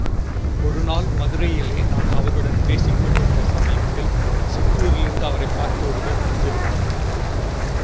ஒருநாள் மதுரையிலே நான் அவருடன் பேசிக் கொண்டிருந்த சமயத்தில், சிற்றுாரிலிருந்து அவரைப் பார்க்க ஒருவர் வந்திருந்தார்.